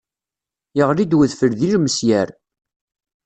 Yeɣli-d wedfel d ilmesyar.